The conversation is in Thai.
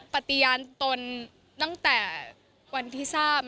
ปฏิญาณตนตั้งแต่วันที่ทราบ